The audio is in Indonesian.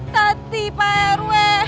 tati pak rw